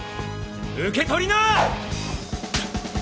受け取りな！！